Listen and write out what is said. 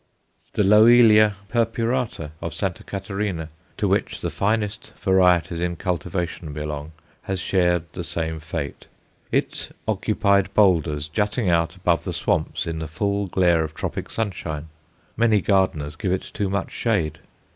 The Loelia purpurata of Sta. Catarina, to which the finest varieties in cultivation belong, has shared the same fate. It occupied boulders jutting out above the swamps in the full glare of tropic sunshine. Many gardeners give it too much shade.